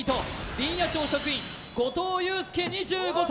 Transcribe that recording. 林野庁職員後藤祐輔２５歳！